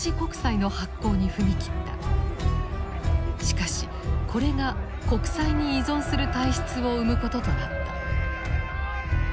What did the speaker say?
しかしこれが国債に依存する体質を生むこととなった。